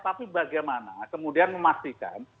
tapi bagaimana kemudian memastikan